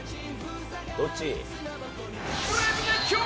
どっち？